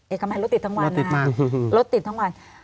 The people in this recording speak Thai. เอกมัยรถติดทั้งวันรถติดทั้งวัน